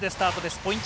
ポイント